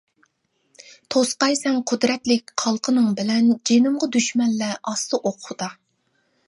توسقايسەن قۇدرەتلىك قالقىنىڭ بىلەن جېنىمغا دۈشمەنلەر ئاتسا ئوق خۇدا.